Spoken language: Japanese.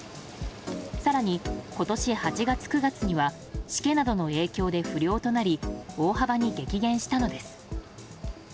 更に今年８月、９月にはしけなどの影響で不漁となり大幅に激減したのです。